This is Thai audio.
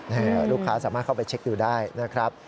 นี่ลูกค้าสามารถเข้าไปเช็คดูได้นะครับ